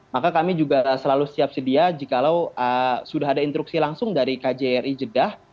maka kami juga selalu siap sedia jikalau sudah ada instruksi langsung dari kjri jeddah